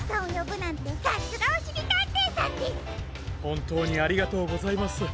ほんとうにありがとうございます。